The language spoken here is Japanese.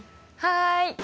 はい。